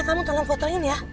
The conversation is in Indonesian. kamu tolong fotoin ya